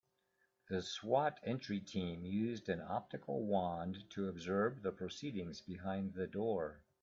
The S.W.A.T. entry team used an optical wand to observe the proceedings behind the door.